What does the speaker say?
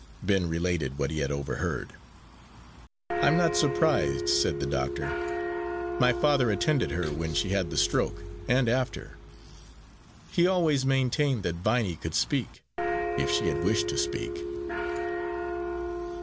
Ben related what he had overheard. "I'm not surprised," said the doctor. "My father attended her when she had the stroke, and after. He always maintained that Viney could speak if she had wished to speak."